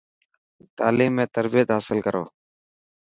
تعليم ۾ تربيت حاصل ڪرو.